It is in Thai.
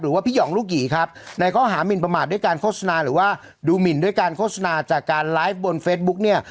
พี่หองลูกหยีครับในข้อหามินประมาทด้วยการโฆษณาหรือว่าดูหมินด้วยการโฆษณาจากการไลฟ์บนเฟซบุ๊กเนี่ย